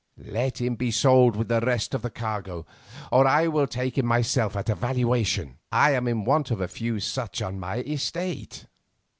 Let him be sold with the rest of the cargo, or I will take him myself at a valuation. I am in want of a few such on my estate."